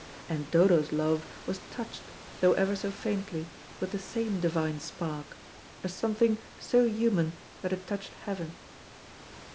And Dodo's love was touched, though ever so faintly, with the same divine spark, a something so human that it touched heaven.